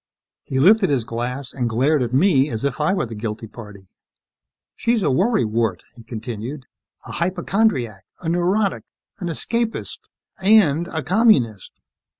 He lifted his glass and glared at me as if I were the guilty party. "She's a worry wart," he continued. "A hypochondriac, a neurotic, an escapist, and a communist."